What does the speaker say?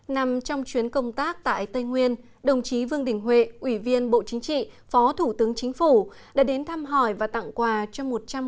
nằm trong chuyến công tác tại tây nguyên đồng chí vương đình huệ ủy viên bộ chính trị phó thủ tướng chính phủ đã đến thăm hỏi và tặng quà cho một trăm linh người